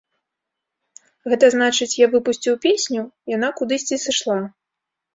Гэта значыць, я выпусціў песню, яна кудысьці сышла.